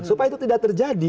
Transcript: supaya itu tidak terjadi